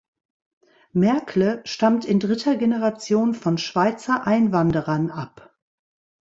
Merkle stammt in dritter Generation von Schweizer Einwanderern ab.